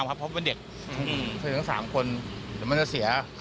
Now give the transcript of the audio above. ไม่สบายเลย